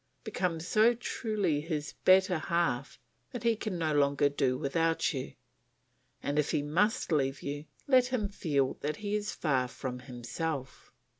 Become so truly his better half that he can no longer do without you, and if he must leave you, let him feel that he is far from himself.